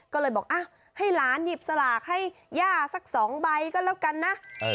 ก็เลยบอกให้หลานหยิบสลากให้ย่าสัก๒ใบก็แล้วกันนะ